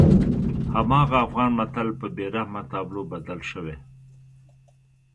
هماغه افغان متل په بېرحمه تابلو بدل شوی.